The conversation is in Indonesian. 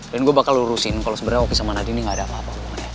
dan gue bakal urusin kalo sebenernya oki sama nadine gak ada apa apa